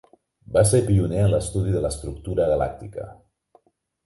Va ser pioner en l'estudi de l'estructura galàctica.